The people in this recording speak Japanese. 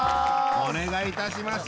お願いいたします。